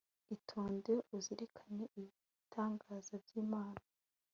itonde, uzirikane ibitangaza by'imana